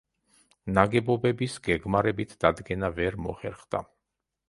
ნაგებობების გეგმარებით დადგენა ვერ მოხერხდა.